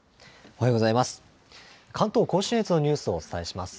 おはようございます。